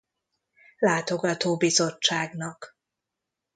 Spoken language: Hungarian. Látogató Bizottságnak.